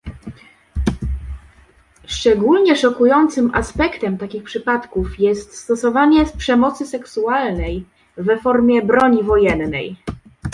Szczególnie szokującym aspektem takich przypadków jest stosowanie przemocy seksualnej w formie broni wojennej